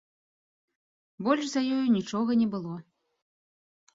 Больш за ёю нічога не было.